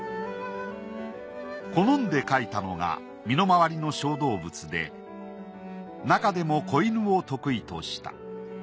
好んで描いたのが身の回りの小動物でなかでも子犬を得意とした。